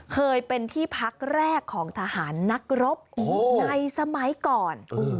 เคยเป็นที่พักแรกของทหารนักรบในสมัยก่อน